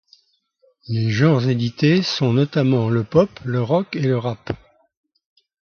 Les genres édités sont notamment le pop, le rock et le rap.